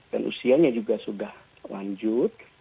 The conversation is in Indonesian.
dan usianya juga sudah lanjut